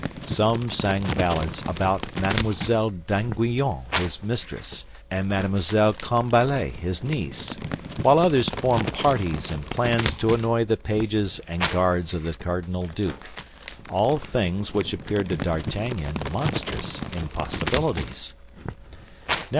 Some sang ballads about Mme. d'Aguillon, his mistress, and Mme. Cambalet, his niece; while others formed parties and plans to annoy the pages and guards of the cardinal duke—all things which appeared to D'Artagnan monstrous impossibilities.